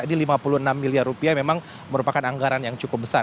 ini lima puluh enam miliar rupiah memang merupakan anggaran yang cukup besar